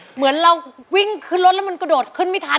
เหมือนเราวิ่งขึ้นรถแล้วมันกระโดดขึ้นไม่ทัน